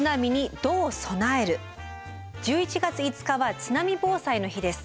１１月５日は津波防災の日です。